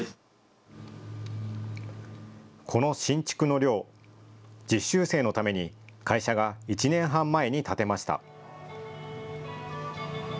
この新築の寮、実習生のために会社が１年半前に建てました。